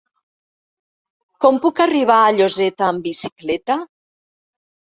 Com puc arribar a Lloseta amb bicicleta?